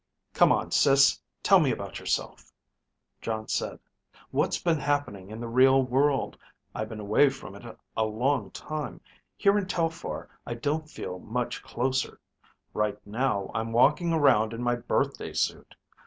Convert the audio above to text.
"Come on, Sis, tell me about yourself," Jon said. "What's been happening in the real world. I've been away from it a long time. Here in Telphar I don't feel much closer. Right now I'm walking around in my birthday suit.